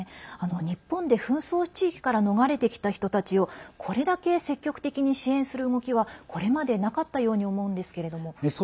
日本で紛争地域から逃れてきた人たちをこれだけ積極的に支援する動きはこれまで、なかったように思うんですけれども。